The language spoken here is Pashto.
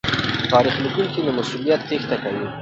تاريخ ليکونکي له مسوليته تېښته کوي.